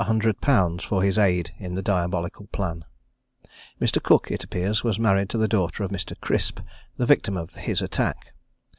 _ for his aid in the diabolical plan. Mr. Cooke, it appears, was married to the daughter of Mr. Crisp, the victim of his attack.